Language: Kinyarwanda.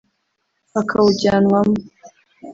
akawujyanwamo